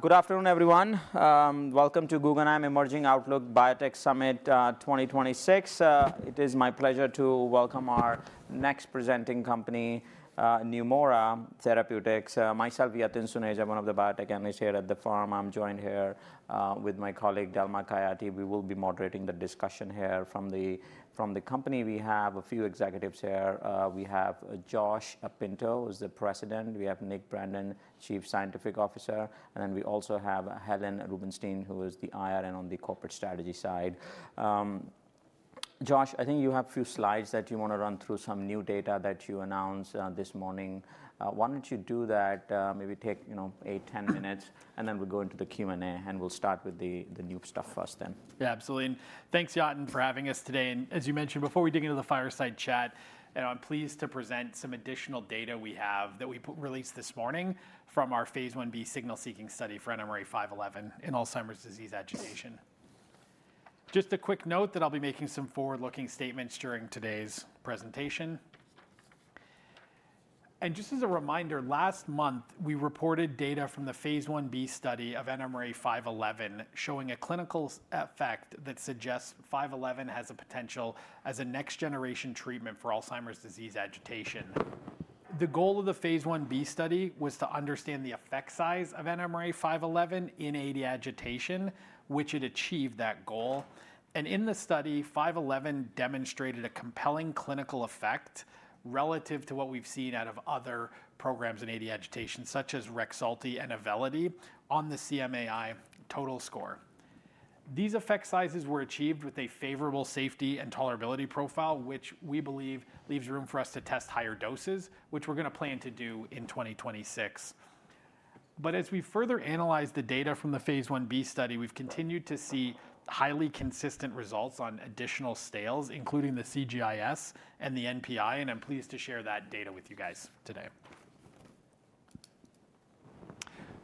Good afternoon, everyone. Welcome to Guggenheim Emerging Outlook Biotech Summit 2026. It is my pleasure to welcome our next presenting company, Neumora Therapeutics. Myself, Yatin Suneja, I'm one of the biotech analysts here at the firm. I'm joined here, with my colleague Dalma Khayati. We will be moderating the discussion here from the company. We have a few executives here. We have, Josh Pinto, who's the President. We have Nick Brandon, Chief Scientific Officer. And then we also have Helen Rubinstein, who is the IR and on the corporate strategy side. Josh, I think you have a few slides that you wanna run through some new data that you announced, this morning. Why don't you do that, maybe take, you know, eight, 10 minutes, and then we'll go into the Q&A, and we'll start with the new stuff first then. Yeah, absolutely. Thanks, Yatin, for having us today. As you mentioned, before we dig into the fireside chat, you know, I'm pleased to present some additional data we have that we previously released this morning from our phase I-B signal-seeking study for NMRA-511 in Alzheimer's disease agitation. Just a quick note that I'll be making some forward-looking statements during today's presentation. Just as a reminder, last month we reported data from the phase I-B study of NMRA-511 showing a clinical signal effect that suggests 511 has a potential as a next-generation treatment for Alzheimer's disease agitation. The goal of the phase I-B study was to understand the effect size of NMRA-511 in AD agitation, which it achieved that goal. In the study, NMRA-511 demonstrated a compelling clinical effect relative to what we've seen out of other programs in AD agitation, such as REXULTI and AUVELITY, on the CMAI total score. These effect sizes were achieved with a favorable safety and tolerability profile, which we believe leaves room for us to test higher doses, which we're gonna plan to do in 2026. As we further analyze the data from the phase I-B study, we've continued to see highly consistent results on additional scales, including the CGI-S and the NPI, and I'm pleased to share that data with you guys today.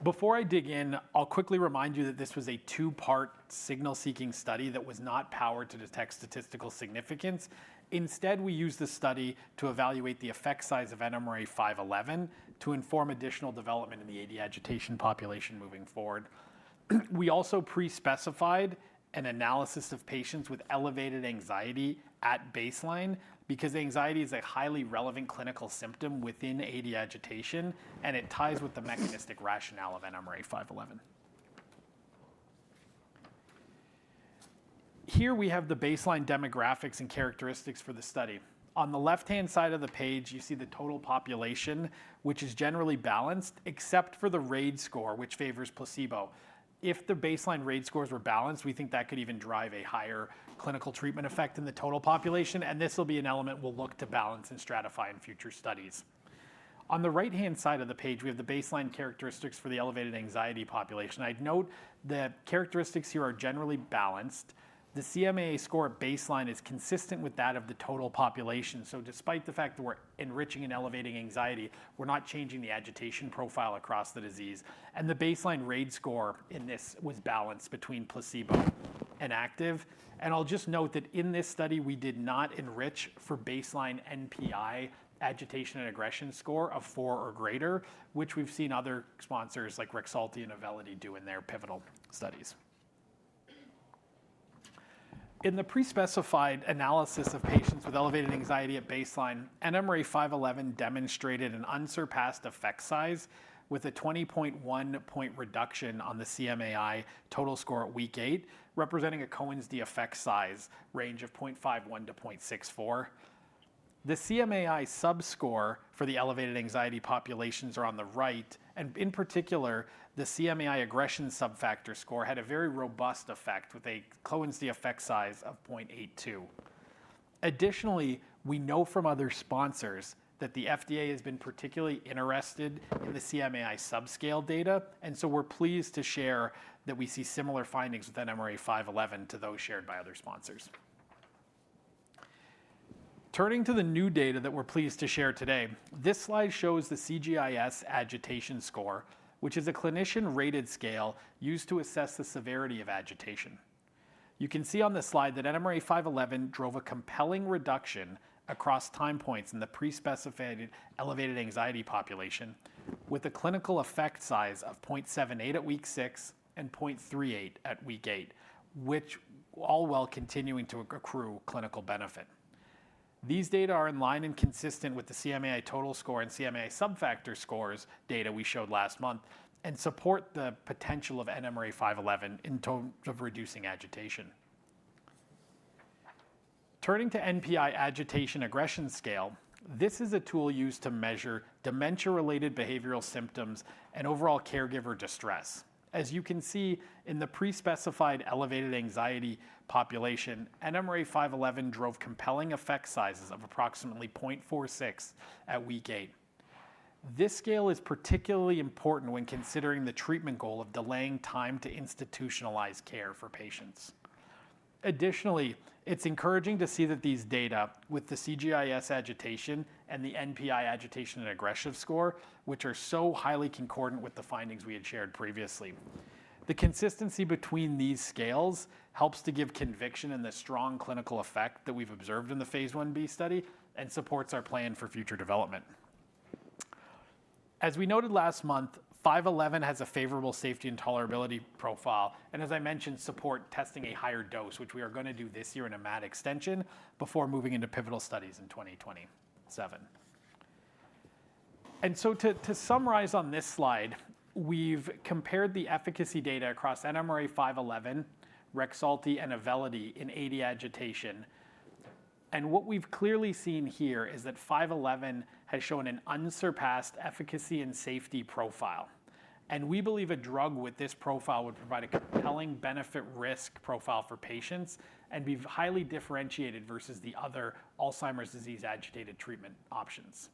Before I dig in, I'll quickly remind you that this was a two-part signal-seeking study that was not powered to detect statistical significance. Instead, we used the study to evaluate the effect size of NMRA-511 to inform additional development in the AD agitation population moving forward. We also prespecified an analysis of patients with elevated anxiety at baseline because anxiety is a highly relevant clinical symptom within AD agitation, and it ties with the mechanistic rationale of NMRA-511. Here we have the baseline demographics and characteristics for the study. On the left-hand side of the page, you see the total population, which is generally balanced, except for the RAID score, which favors placebo. If the baseline RAID scores were balanced, we think that could even drive a higher clinical treatment effect in the total population, and this will be an element we'll look to balance and stratify in future studies. On the right-hand side of the page, we have the baseline characteristics for the elevated anxiety population. I'd note the characteristics here are generally balanced. The CMAI score at baseline is consistent with that of the total population, so despite the fact that we're enriching and elevating anxiety, we're not changing the agitation profile across the disease. The baseline RAID score in this was balanced between placebo and active. I'll just note that in this study, we did not enrich for baseline NPI agitation and aggression score of four or greater, which we've seen other sponsors like REXULTI and AUVELITY do in their pivotal studies. In the prespecified analysis of patients with elevated anxiety at baseline, NMRA-511 demonstrated an unsurpassed effect size with a 20.1-point reduction on the CMAI total score at week eight, representing a Cohen's d effect size range of 0.51-0.64. The CMAI subscore for the elevated anxiety populations are on the right, and in particular, the CMAI aggression subfactor score had a very robust effect with a Cohen's d effect size of 0.82. Additionally, we know from other sponsors that the FDA has been particularly interested in the CMAI subscale data, and so we're pleased to share that we see similar findings with NMRA-511 to those shared by other sponsors. Turning to the new data that we're pleased to share today, this slide shows the CGI-S agitation score, which is a clinician-rated scale used to assess the severity of agitation. You can see on the slide that NMRA-511 drove a compelling reduction across time points in the prespecified elevated anxiety population, with a clinical effect size of 0.78 at week six and 0.38 at week eight, which all while continuing to accrue clinical benefit. These data are in line and consistent with the CMAI total score and CMAI subfactor scores data we showed last month and support the potential of NMRA-511 in terms of reducing agitation. Turning to NPI agitation aggression scale, this is a tool used to measure dementia-related behavioral symptoms and overall caregiver distress. As you can see, in the prespecified elevated anxiety population, NMRA-511 drove compelling effect sizes of approximately 0.46 at week eight. This scale is particularly important when considering the treatment goal of delaying time to institutionalize care for patients. Additionally, it's encouraging to see that these data, with the CGI-S agitation and the NPI agitation and aggression score, which are so highly concordant with the findings we had shared previously. The consistency between these scales helps to give conviction in the strong clinical effect that we've observed in the phase I-B study and supports our plan for future development. As we noted last month, NMRA-511 has a favorable safety and tolerability profile and, as I mentioned, support testing a higher dose, which we are gonna do this year in a MAD extension before moving into pivotal studies in 2027. And so to, to summarize on this slide, we've compared the efficacy data across NMRA-511, REXULTI, and AUVELITY in AD agitation. And what we've clearly seen here is that NMRA-511 has shown an unsurpassed efficacy and safety profile, and we believe a drug with this profile would provide a compelling benefit-risk profile for patients and be highly differentiated versus the other Alzheimer's disease agitated treatment options.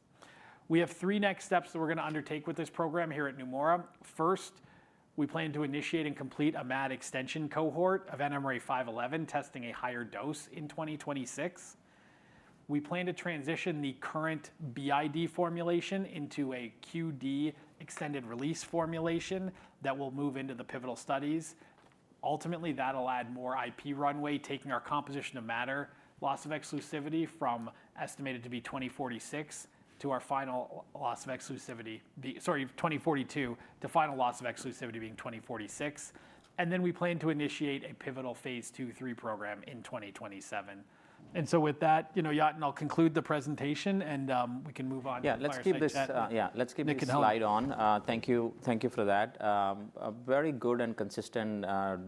We have three next steps that we're gonna undertake with this program here at Neumora. First, we plan to initiate and complete a MAD extension cohort of NMRA-511 testing a higher dose in 2026. We plan to transition the current BID formulation into a QD extended-release formulation that will move into the pivotal studies. Ultimately, that'll add more IP runway, taking our composition of matter loss of exclusivity from estimated to be 2046 to our final loss of exclusivity be, sorry, 2042, to final loss of exclusivity being 2046. And then we plan to initiate a pivotal phase II/III program in 2027. And so with that, you know, Yatin, I'll conclude the presentation, and we can move on to the next slide. Yeah, let's keep this, yeah, let's keep this slide on. Thank you. Thank you for that. Very good and consistent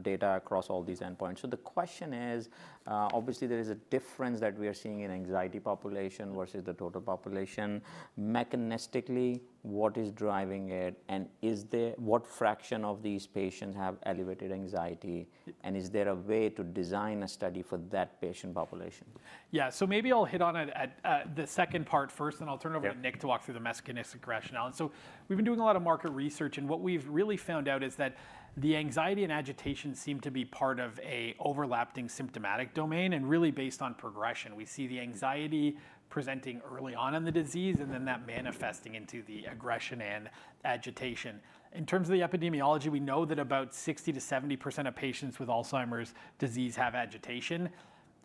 data across all these endpoints. So the question is, obviously there is a difference that we are seeing in anxiety population versus the total population. Mechanistically, what is driving it, and is there what fraction of these patients have elevated anxiety, and is there a way to design a study for that patient population? Yeah, so maybe I'll hit on it at the second part first, and I'll turn over to Nick to walk through the mechanistic rationale. So we've been doing a lot of market research, and what we've really found out is that the anxiety and agitation seem to be part of an overlapping symptomatic domain and really based on progression. We see the anxiety presenting early on in the disease and then that manifesting into the aggression and agitation. In terms of the epidemiology, we know that about 60%-70% of patients with Alzheimer's disease have agitation.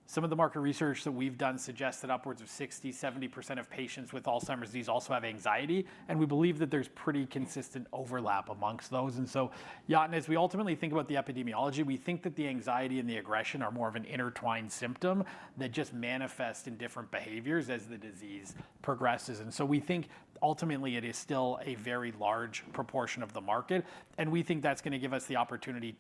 Some of the market research that we've done suggests that upwards of 60%-70% of patients with Alzheimer's disease also have anxiety, and we believe that there's pretty consistent overlap amongst those. And so, Yatin, as we ultimately think about the epidemiology, we think that the anxiety and the aggression are more of an intertwined symptom that just manifests in different behaviors as the disease progresses. And so we think ultimately it is still a very large proportion of the market, and we think that's gonna give us the opportunity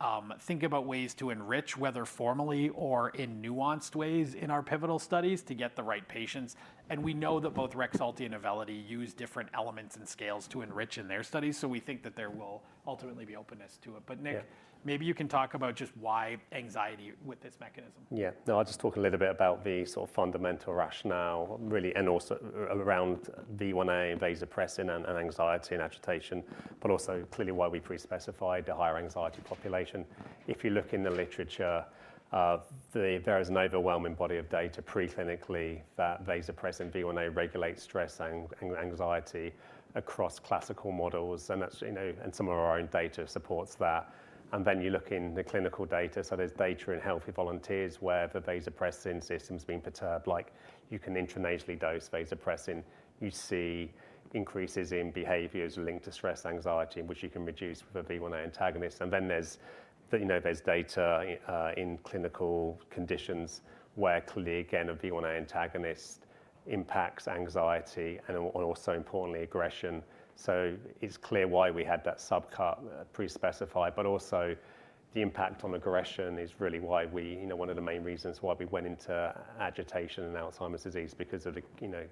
to, think about ways to enrich, whether formally or in nuanced ways, in our pivotal studies to get the right patients. And we know that both REXULTI and AUVELITY use different elements and scales to enrich in their studies, so we think that there will ultimately be openness to it. But Nick, maybe you can talk about just why anxiety with this mechanism. Yeah, no, I'll just talk a little bit about the sort of fundamental rationale, really, and also around V1a and vasopressin and, and anxiety and agitation, but also clearly why we prespecified the higher anxiety population. If you look in the literature, there is an overwhelming body of data preclinically that vasopressin and V1a regulate stress and, and anxiety across classical models, and that's, you know and some of our own data supports that. And then you look in the clinical data, so there's data in healthy volunteers where the vasopressin system's been perturbed. Like, you can intranasally dose vasopressin. You see increases in behaviors linked to stress and anxiety, which you can reduce with a V1a antagonist. And then there's the, you know, there's data, in clinical conditions where clearly, again, a V1a antagonist impacts anxiety and, and also importantly, aggression. So it's clear why we had that subcut prespecified, but also the impact on aggression is really why we, you know, one of the main reasons why we went into agitation in Alzheimer's disease is because of the, you know,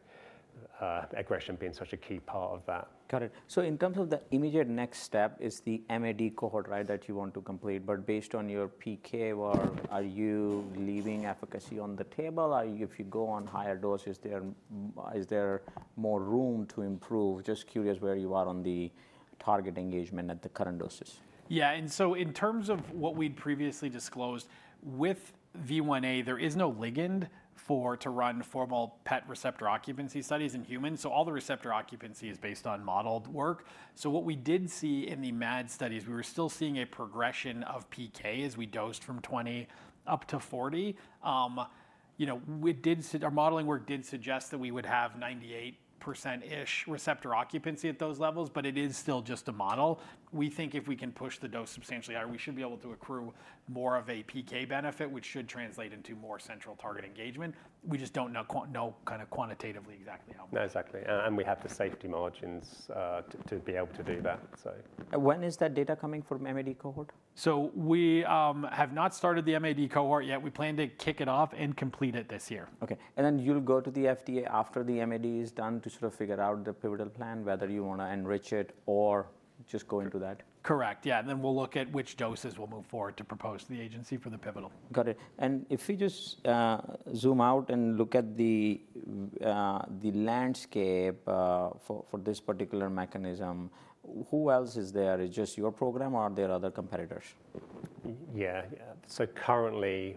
aggression being such a key part of that. Got it. So in terms of the immediate next step, it's the MAD cohort, right, that you want to complete. But based on your PK, are you leaving efficacy on the table? Are you if you go on higher doses, is there more room to improve? Just curious where you are on the target engagement at the current doses. Yeah, and so in terms of what we'd previously disclosed, with V1a, there is no ligand for to run formal PET receptor occupancy studies in humans, so all the receptor occupancy is based on modeled work. So what we did see in the MAD studies, we were still seeing a progression of PK as we dosed from 20 up to 40. You know, we did our modeling work did suggest that we would have 98%-ish receptor occupancy at those levels, but it is still just a model. We think if we can push the dose substantially higher, we should be able to accrue more of a PK benefit, which should translate into more central target engagement. We just don't know, you know, kind of quantitatively exactly how much. No, exactly. And we have the safety margins, to be able to do that, so. When is that data coming from MAD cohort? We have not started the MAD cohort yet. We plan to kick it off and complete it this year. Okay, and then you'll go to the FDA after the MAD is done to sort of figure out the pivotal plan, whether you wanna enrich it or just go into that? Correct, yeah, and then we'll look at which doses we'll move forward to propose to the agency for the pivotal. Got it. And if we just zoom out and look at the landscape for this particular mechanism, who else is there? Is it just your program, or are there other competitors? Yeah, yeah, so currently,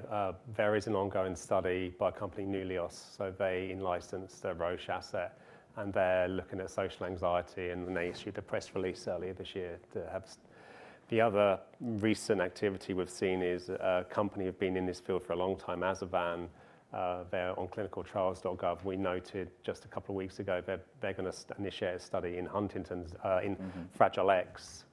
there is an ongoing study by a company called Newleos. So they in-licensed a Roche asset, and they're looking at social anxiety, and then they issued a press release earlier this year that's the other recent activity we've seen is a company who've been in this field for a long time, Azevan. They're on clinicaltrials.gov. We noted just a couple of weeks ago they're gonna initiate a study in Huntington's, in Fragile X,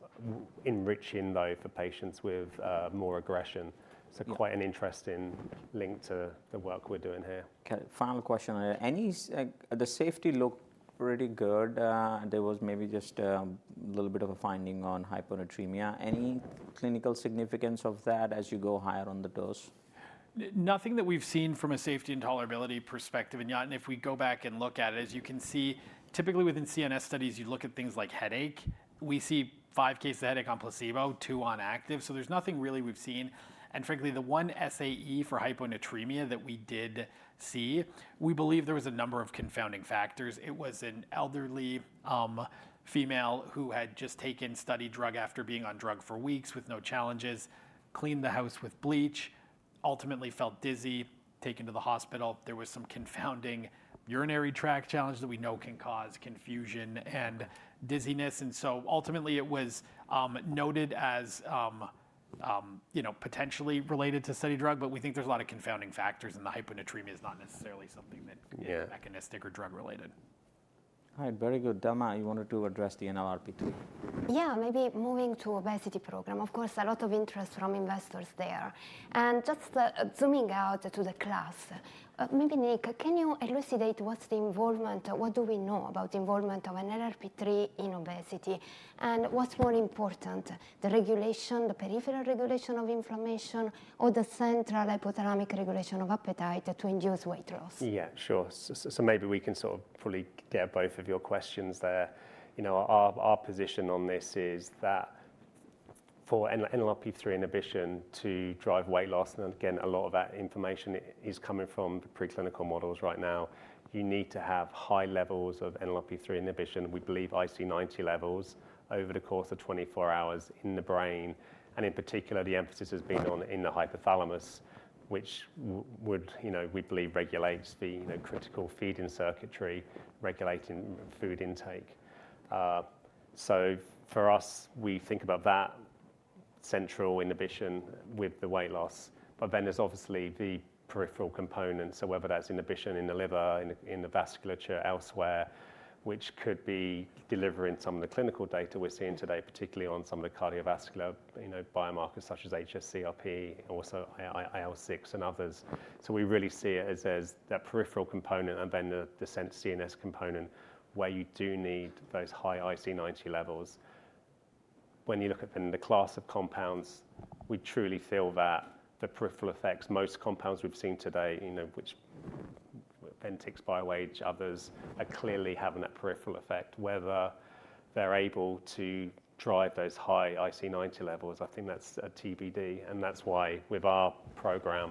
enriching, though, for patients with more aggression. So quite an interesting link to the work we're doing here. Okay, final question. And as the safety looked pretty good. There was maybe just a little bit of a finding on hyponatremia. Any clinical significance of that as you go higher on the dose? Nothing that we've seen from a safety and tolerability perspective. Yatin, if we go back and look at it, as you can see, typically within CNS studies, you'd look at things like headache. We see five cases of headache on placebo, two on active, so there's nothing really we've seen. And frankly, the one SAE for hyponatremia that we did see, we believe there was a number of confounding factors. It was an elderly, female who had just taken study drug after being on drug for weeks with no challenges, cleaned the house with bleach, ultimately felt dizzy, taken to the hospital. There was some confounding urinary tract challenge that we know can cause confusion and dizziness. Ultimately it was noted as, you know, potentially related to studied drug, but we think there's a lot of confounding factors, and the hyponatremia is not necessarily something that is mechanistic or drug-related. All right, very good. Dalma, you wanted to address the NLRP3. Yeah, maybe moving to obesity program. Of course, a lot of interest from investors there. And just zooming out to the class, maybe Nick, can you elucidate what do we know about the involvement of an NLRP3 in obesity? And what's more important, the regulation, the peripheral regulation of inflammation, or the central hypothalamic regulation of appetite to induce weight loss? Yeah, sure. So maybe we can sort of fully get both of your questions there. You know, our position on this is that for NLRP3 inhibition to drive weight loss and again, a lot of that information is coming from the preclinical models right now. You need to have high levels of NLRP3 inhibition, we believe IC90 levels, over the course of 24 hours in the brain. And in particular, the emphasis has been on in the hypothalamus, which would, you know, we believe regulates the, you know, critical feeding circuitry, regulating food intake. So for us, we think about that central inhibition with the weight loss. But then there's obviously the peripheral components, so whether that's inhibition in the liver, in the vasculature elsewhere, which could be delivering some of the clinical data we're seeing today, particularly on some of the cardiovascular, you know, biomarkers such as hsCRP, also IL-6, and others. So we really see it as that peripheral component and then the CNS component where you do need those high IC90 levels. When you look at then the class of compounds, we truly feel that the peripheral effects most compounds we've seen today, you know, which Ventyx, BioAge, others are clearly having that peripheral effect. Whether they're able to drive those high IC90 levels, I think that's a TBD. That's why with our program,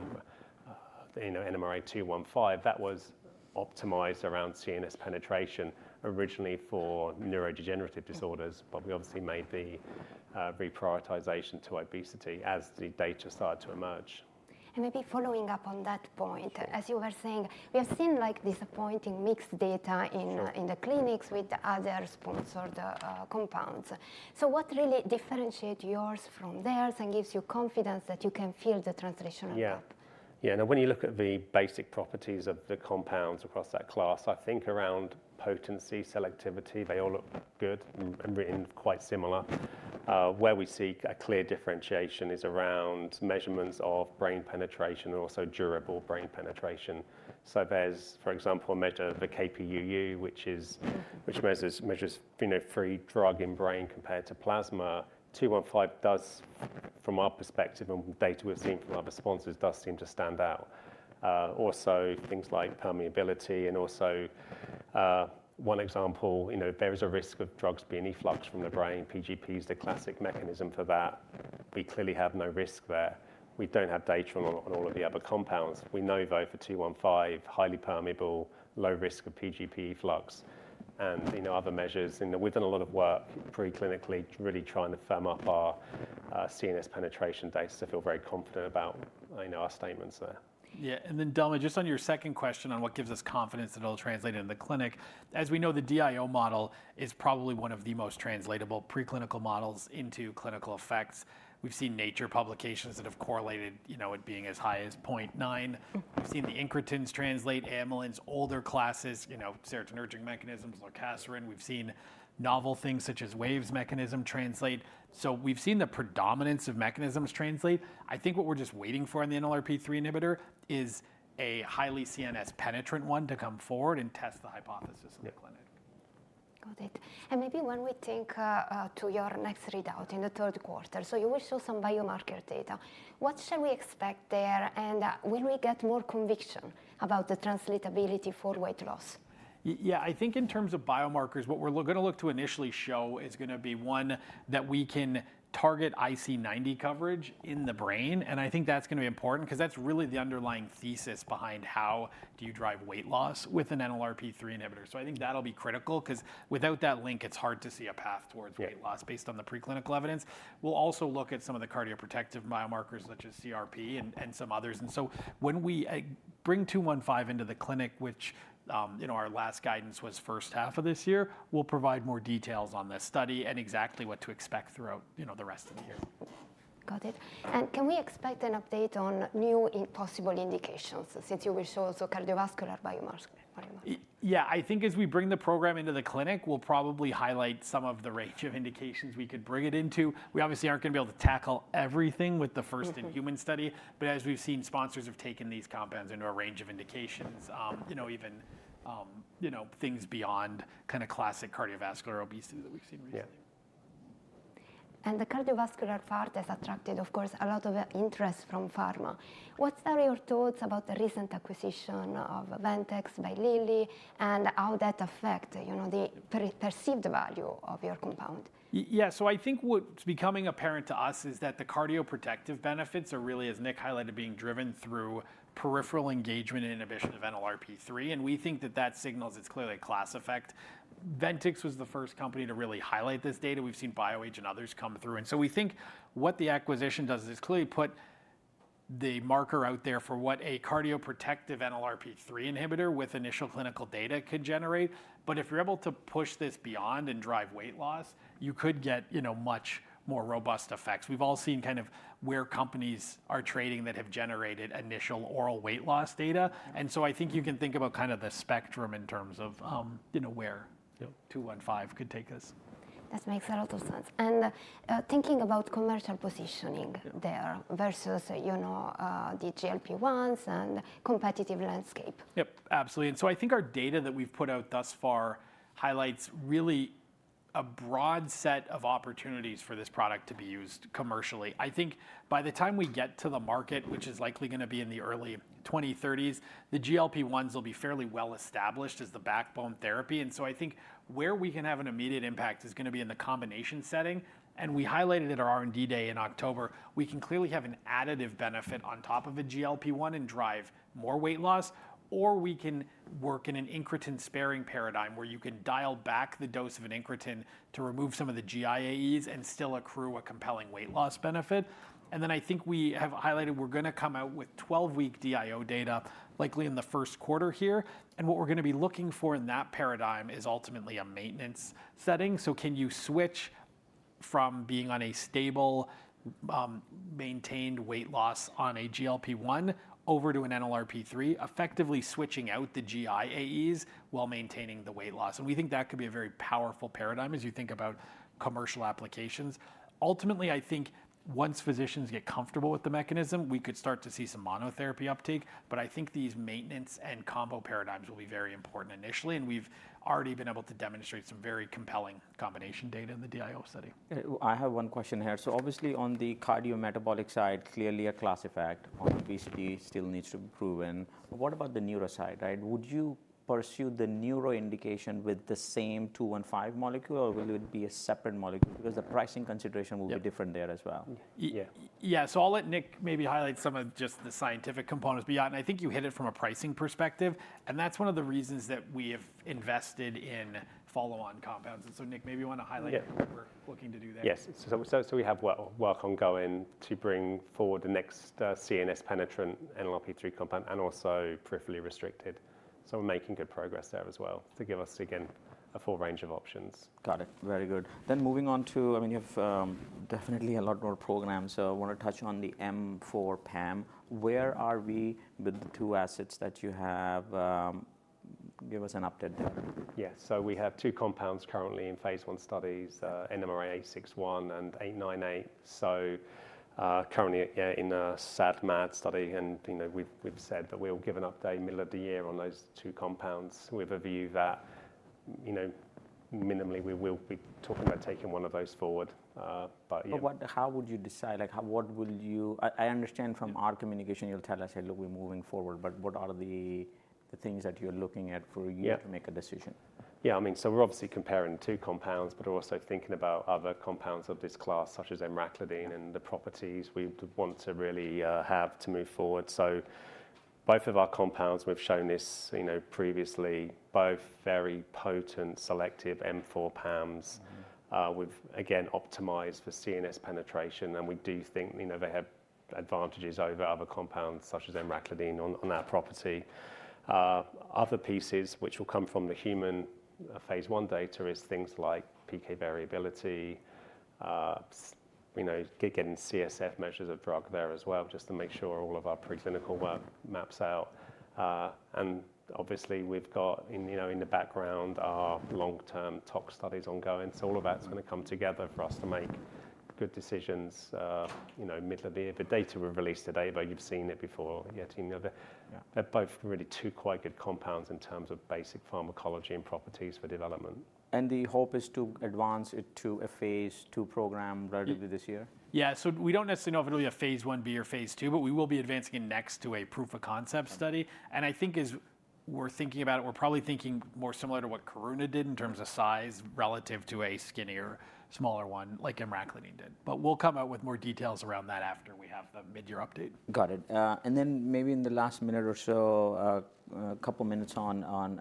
you know, NMRA-215, that was optimized around CNS penetration originally for neurodegenerative disorders, but we obviously made the reprioritization to obesity as the data started to emerge. And maybe following up on that point, as you were saying, we have seen, like, disappointing mixed data in the clinics with other sponsored compounds. So what really differentiates yours from theirs and gives you confidence that you can fill the translational gap? Yeah, yeah, now when you look at the basic properties of the compounds across that class, I think around potency, selectivity, they all look good and written quite similar. Where we see a clear differentiation is around measurements of brain penetration and also durable brain penetration. So there's, for example, a measure of the Kpuu, which measures, you know, free drug in brain compared to plasma. 215 does, from our perspective and data we've seen from other sponsors, seem to stand out. Also things like permeability. And also, one example, you know, there is a risk of drugs being effluxed from the brain. PGP is the classic mechanism for that. We clearly have no risk there. We don't have data on all of the other compounds. We know, though, for 215, highly permeable, low risk of PGP efflux. You know, other measures, you know, we've done a lot of work preclinically really trying to firm up our, CNS penetration data so I feel very confident about, you know, our statements there. Yeah, and then Dalma, just on your second question on what gives us confidence that it'll translate in the clinic, as we know, the DIO model is probably one of the most translatable preclinical models into clinical effects. We've seen Nature publications that have correlated, you know, it being as high as 0.9. We've seen the Incretins translate, Amylins, older classes, you know, serotonergic mechanisms, Lacasterin. We've seen novel things such as WAVE's mechanism translate. So we've seen the predominance of mechanisms translate. I think what we're just waiting for in the NLRP3 inhibitor is a highly CNS-penetrant one to come forward and test the hypothesis in the clinic. Got it. And maybe when we think to your next readout in the third quarter, so you will show some biomarker data, what shall we expect there, and will we get more conviction about the translatability for weight loss? Yeah, I think in terms of biomarkers, what we're gonna look to initially show is gonna be, one, that we can target IC90 coverage in the brain. And I think that's gonna be important 'cause that's really the underlying thesis behind how do you drive weight loss with an NLRP3 inhibitor. So I think that'll be critical 'cause without that link, it's hard to see a path towards weight loss based on the preclinical evidence. We'll also look at some of the cardioprotective biomarkers such as CRP and some others. And so when we bring 215 into the clinic, which, you know, our last guidance was first half of this year, we'll provide more details on this study and exactly what to expect throughout, you know, the rest of the year. Got it. And can we expect an update on newly possible indications since you will show also cardiovascular biomarkers? Yeah, I think as we bring the program into the clinic, we'll probably highlight some of the range of indications we could bring it into. We obviously aren't gonna be able to tackle everything with the first in-human study, but as we've seen, sponsors have taken these compounds into a range of indications, you know, even, you know, things beyond kind of classic cardiovascular obesity that we've seen recently. Yeah. The cardiovascular part has attracted, of course, a lot of interest from pharma. What are your thoughts about the recent acquisition of Ventyx by Lilly and how that affects, you know, the perceived value of your compound? Yeah, so I think what's becoming apparent to us is that the cardioprotective benefits are really, as Nick highlighted, being driven through peripheral engagement and inhibition of NLRP3. And we think that that signals it's clearly a class effect. Ventyx was the first company to really highlight this data. We've seen BioAge and others come through. And so we think what the acquisition does is it's clearly put the marker out there for what a cardioprotective NLRP3 inhibitor with initial clinical data could generate. But if you're able to push this beyond and drive weight loss, you could get, you know, much more robust effects. We've all seen kind of where companies are trading that have generated initial oral weight loss data. And so I think you can think about kind of the spectrum in terms of, you know, where, you know, 215 could take us. That makes a lot of sense. Thinking about commercial positioning there versus, you know, the GLP-1s and competitive landscape. Yep, absolutely. And so I think our data that we've put out thus far highlights really a broad set of opportunities for this product to be used commercially. I think by the time we get to the market, which is likely gonna be in the early 2030s, the GLP-1s will be fairly well-established as the backbone therapy. And so I think where we can have an immediate impact is gonna be in the combination setting. And we highlighted at our R&D Day in October, we can clearly have an additive benefit on top of a GLP-1 and drive more weight loss, or we can work in an incretin-sparing paradigm where you can dial back the dose of an incretin to remove some of the GIAEs and still accrue a compelling weight loss benefit. Then I think we have highlighted we're gonna come out with 12-week DIO data, likely in the first quarter here. What we're gonna be looking for in that paradigm is ultimately a maintenance setting. Can you switch from being on a stable, maintained weight loss on a GLP-1 over to an NLRP3, effectively switching out the GIAEs while maintaining the weight loss? We think that could be a very powerful paradigm as you think about commercial applications. Ultimately, I think once physicians get comfortable with the mechanism, we could start to see some monotherapy uptake. These maintenance and combo paradigms will be very important initially. We've already been able to demonstrate some very compelling combination data in the DIO study. Well, I have one question here. So obviously, on the cardiometabolic side, clearly a class effect on obesity still needs to be proven. What about the neuro side, right? Would you pursue the neuro indication with the same 215 molecule, or will it be a separate molecule? Because the pricing consideration will be different there as well. Yeah, so I'll let Nick maybe highlight some of just the scientific components. But Yatin, I think you hit it from a pricing perspective. And that's one of the reasons that we have invested in follow-on compounds. And so Nick, maybe you wanna highlight what we're looking to do there. Yes, so we have work ongoing to bring forward the next, CNS-penetrant NLRP3 compound and also peripherally restricted. So we're making good progress there as well to give us, again, a full range of options. Got it, very good. Then, moving on to, I mean, you have definitely a lot more programs. So, I wanna touch on the M4 PAM. Where are we with the two assets that you have? Give us an update there. Yeah, so we have two compounds currently in phase 1 studies, NMRA-861 and NMRA-898. So, currently, yeah, in a SAD/MAD study. And, you know, we've said that we'll give an update middle of the year on those two compounds with a view that, you know, minimally we will be talking about taking one of those forward. But yeah. But how would you decide? Like, how what will you—I understand from our communication you'll tell us, "Hey, look, we're moving forward." But what are the things that you're looking at for you to make a decision? Yeah, yeah, I mean, so we're obviously comparing two compounds but also thinking about other compounds of this class such as emraclidine and the properties we'd want to really have to move forward. So both of our compounds we've shown this, you know, previously, both very potent, selective M4 PAMs. We've again optimized for CNS penetration. And we do think, you know, they have advantages over other compounds such as emraclidine on that property. Other pieces which will come from the human phase I data is things like PK variability, you know, getting CSF measures of drug there as well just to make sure all of our preclinical work maps out. And obviously, we've got in the background long-term Tox studies ongoing. So all of that's gonna come together for us to make good decisions, you know, middle of the year. The data we've released today, though, you've seen it before, Yatin, you know, they're both really two quite good compounds in terms of basic pharmacology and properties for development. The hope is to advance it to a phase II program relatively this year? Yeah, so we don't necessarily know if it'll be a phase I-B or phase II, but we will be advancing it next to a proof of concept study. And I think as we're thinking about it, we're probably thinking more similar to what Karuna did in terms of size relative to a skinnier, smaller one like emraclidine did. But we'll come out with more details around that after we have the mid-year update. Got it. And then maybe in the last minute or so, a couple minutes on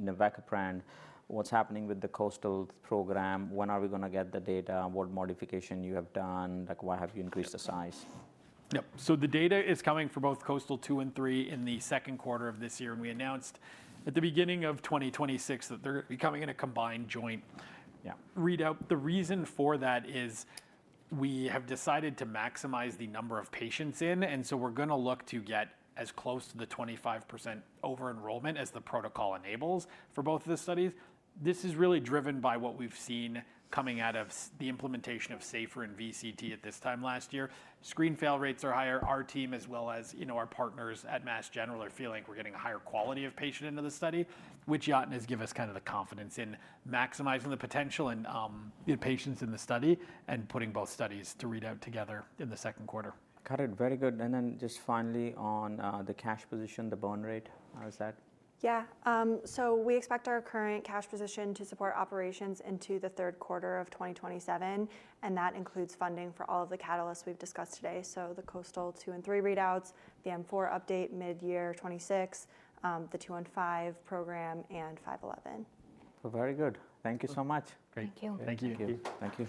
navacaprant, what's happening with the KOASTAL program? When are we gonna get the data? What modification you have done? Like, why have you increased the size? Yep, so the data is coming for both KOASTAL 2 and 3 in the second quarter of this year. We announced at the beginning of 2026 that they're coming in a combined joint. Yeah. Readout, the reason for that is we have decided to maximize the number of patients in. So we're gonna look to get as close to the 25% over-enrollment as the protocol enables for both of the studies. This is really driven by what we've seen coming out of the implementation of SAFER and VCT at this time last year. Screen fail rates are higher. Our team as well as, you know, our partners at Mass General are feeling like we're getting a higher quality of patient into the study, which Yatin has given us kind of the confidence in maximizing the potential and, you know, patients in the study and putting both studies to readout together in the second quarter. Got it, very good. And then just finally on the cash position, the burn rate, how is that? Yeah, so we expect our current cash position to support operations into the third quarter of 2027. And that includes funding for all of the catalysts we've discussed today, so the KOASTAL 2 and 3 readouts, the M4 update mid-year 2026, the 215 program, and 511. Well, very good. Thank you so much. Great. Thank you. Thank you. Thank you.